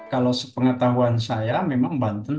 kalau sepengetahuan saya memang bantul